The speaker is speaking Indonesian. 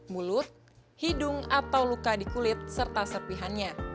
mulut hidung atau luka di kulit serta serpihannya